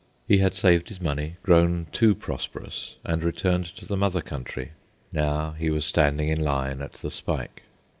He had saved his money, grown too prosperous, and returned to the mother country. Now he was standing in line at the spike.